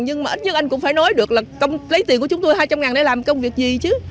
nhưng mà ít nhất anh cũng phải nói được là lấy tiền của chúng tôi hai trăm linh để làm công việc gì chứ